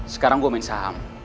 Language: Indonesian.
sekarang gue main saham